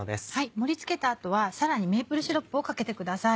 盛り付けた後はさらにメープルシロップをかけてください。